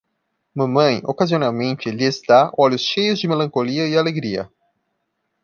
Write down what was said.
Mamãe ocasionalmente lhes dá olhos cheios de melancolia e alegria.